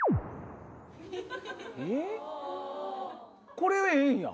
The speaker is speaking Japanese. これええんや！